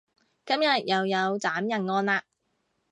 今日又有斬人案喇